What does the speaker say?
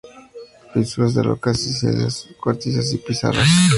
Fisuras de rocas silíceas, cuarcitas y pizarras.